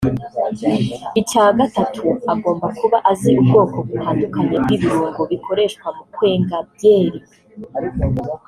icya gatatu agomba kuba azi ubwoko butandukanye bw’ibirungo bikoreshwa mu kwenga byeri